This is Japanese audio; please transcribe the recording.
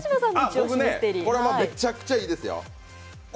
僕ね、めちゃくちゃいいですよ。